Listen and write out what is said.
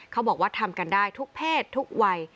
เขาบอกว่าทำกันได้ทุกเพศทุกวัย